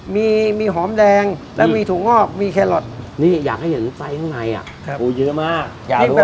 มีหอมแดงแล้วมีถุงมีนี่อยากให้เห็นนวดใส้ทัวร์ในฟูเยอะมาก